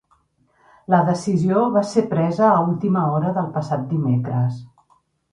La decisió va ser presa a última hora del passat dimecres.